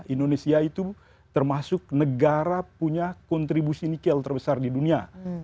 indonesia itu termasuk negara punya kontribusi nikel terbesar di dunia